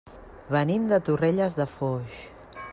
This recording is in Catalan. Venim de Torrelles de Foix.